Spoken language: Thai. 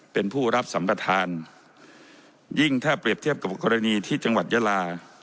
เป็นผู้รับสัมประธานยิ่งถ้าเปรียบเทียบกับกรณีที่จังหวัดยาลา